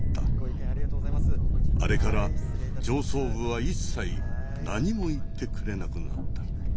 あれから上層部は一切何も言ってくれなくなった。